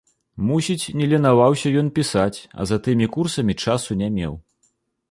Мусіць, не ленаваўся ён пісаць, а за тымі курсамі часу не меў.